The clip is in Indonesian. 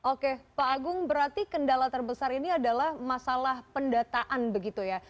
oke pak agung berarti kendala terbesar ini adalah masalah pendataan begitu ya